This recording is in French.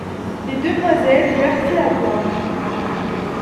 Les demoiselles versaient à boire.